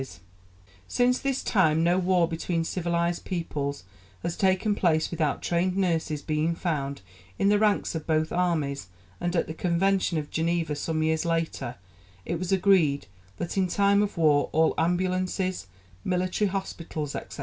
[Illustration: Florence Nightingale] Since this time no war between civilized peoples has taken place without trained nurses being found in the ranks of both armies, and at the Convention of Geneva, some years later, it was agreed that in time of war all ambulances, military hospitals, etc.